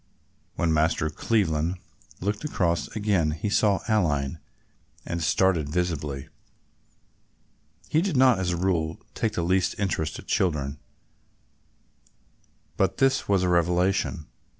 When Master Cleveland looked across again he saw Aline and started visibly. He did not as a rule take the least interest in children, but this was a revelation.